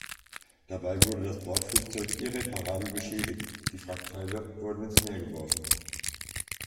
Dabei wurde das Bordflugzeug irreparabel beschädigt, die Wrackteile wurden ins Meer geworfen.